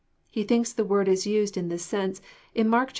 *' He thinks the word is used in this sense in Mark vi.